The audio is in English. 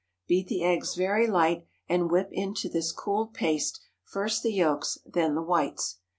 Beat the eggs very light, and whip into this cooled paste, first the yolks, then the whites.